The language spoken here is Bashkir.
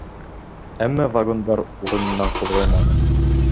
Әммә вагондар урынынан ҡуҙғалманы.